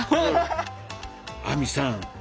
亜美さん